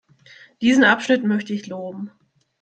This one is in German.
Diesen Abschnitt möchte ich loben.